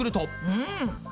うん。